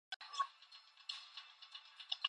아이쿠!